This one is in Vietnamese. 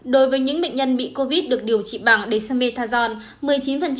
đối với những bệnh nhân bị covid được điều trị bằng dexamethasone